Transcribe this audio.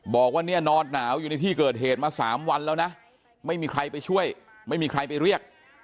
บอกว่าเนี่ยนอนหนาวอยู่ในที่เกิดเหตุมา๓วันแล้วนะไม่มีใครไปช่วยไม่มีใครไปเรียก